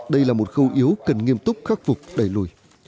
đây là một khâu yếu cần nghiêm túc khắc phục đẩy lùi